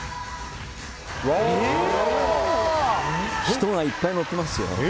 人がいっぱい乗っていますよ。